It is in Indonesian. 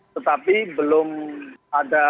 tetapi belum ada